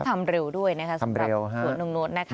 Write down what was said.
แล้วเขาทำเร็วด้วยนะครับสำหรับสวนโน้ตนะคะ